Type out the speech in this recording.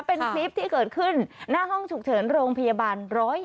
เป็นคลิปที่เกิดขึ้นหน้าห้องฉุกเฉินโรงพยาบาล๑๐๑